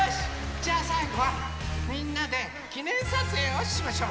じゃあさいごはみんなできねんさつえいをしましょう！